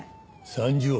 ３０億